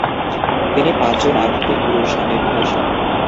তিনি পাচঁজন আধ্যাত্মিক গুরুর সান্নিধ্যে আসেন।